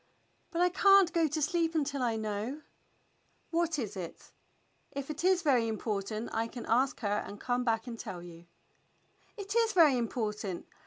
"But I can't go to sleep until I know." "What is it.^ If it is very important I can ask her and come back and tell you."